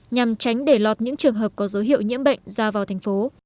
nhằm tránh để lọt những trường hợp có dấu hiệu nhiễm bệnh ra vào thành phố